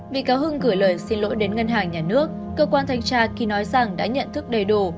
bị cáo hưng gửi lời xin lỗi đến ngân hàng nhà nước cơ quan thanh tra khi nói rằng đã nhận thức đầy đủ